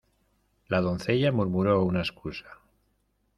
La doncella murmuró una excusa.